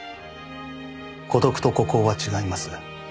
孤独と孤高は違います。